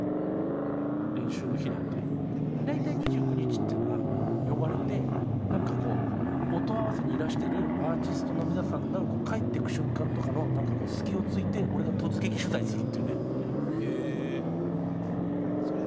大体、２９日ってのは呼ばれて音合わせにいらしてるアーティストの皆さんの帰っていく瞬間とかの隙を突いて俺が突撃取材するっていうね。